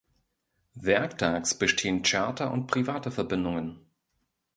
Werktags bestehen Charter- und private Verbindungen.